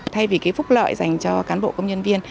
thay vì cái phúc lợi dành cho cán bộ công nhân viên